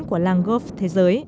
của làng golf thế giới